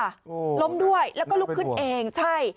โอ้โหล้มด้วยแล้วก็ลุกขึ้นเองใช่